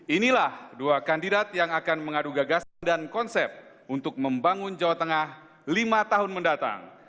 inilah dua kandidat yang akan mengadu gagasan dan konsep untuk membangun jawa tengah lima tahun mendatang